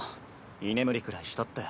居眠りくらいしたって。